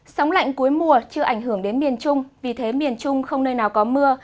sóng lạnh cuối mùa chưa ảnh hưởng đến miền trung vì thế miền trung không nơi nào có mưa